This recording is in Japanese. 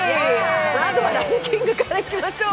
まずはランキングからいきましょう。